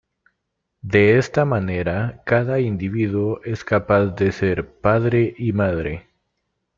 De esta manera, cada individuo es capaz de ser padre y madre.